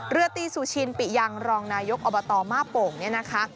เรือตีสุชินปิยังรองนายกอบตมาโป่งเนี่ยนะคะ